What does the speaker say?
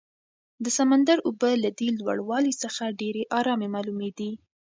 د سمندر اوبه له دې لوړوالي څخه ډېرې ارامې معلومېدې.